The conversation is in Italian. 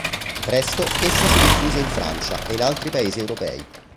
Presto essa si diffuse in Francia e in altri paesi europei.